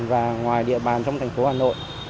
và ngoài địa bàn trong thành phố hà nội